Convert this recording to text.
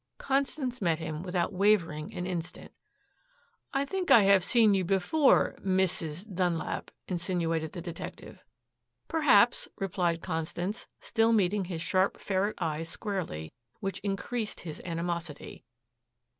Constance met him without wavering an instant. "I think I've seen you before, MRS. Dunlap," insinuated the detective. "Perhaps," replied Constance, still meeting his sharp ferret eye squarely, which increased his animosity.